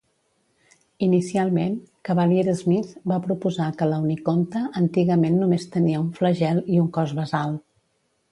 Inicialment, Cavalier-Smith va proposar que la "unikonta", antigament, només tenia un flagel i un cos basal.